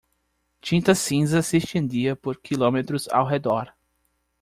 Tinta cinza se estendia por quilômetros ao redor.